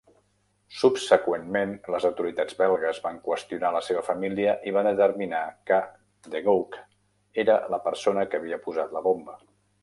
Subseqüentment, les autoritats belgues van qüestionar la seva família i van determinar que Degauque era la persona que havia posat la bomba.